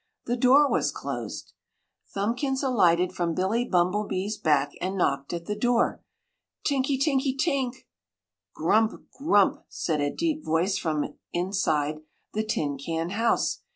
The door was closed. Thumbkins alighted from Billy Bumblebee's back and knocked at the door. TINKY TINKY TINK! "GRUMP! GRUMP!" said a deep voice from inside the tin can house.